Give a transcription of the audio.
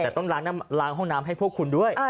แต่ต้องล้างน้ำล้างห้องน้ำให้พวกคุณด้วยเออ